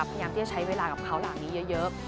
พยายามที่จะใช้เวลากับเขาหลังนี้เยอะ